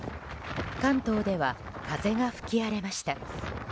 関東では風が吹き荒れました。